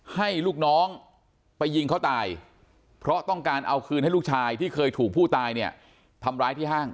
ให้ลูกน้องไปยิงเขาตายเพราะต้องการเอาคืนให้ลูกชายที่เคยถูกผู้ตายเนี่ยทำร้ายที่ห้าง